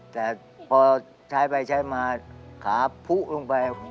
แต่พอใช้ไปใช้มาขาพุลงไป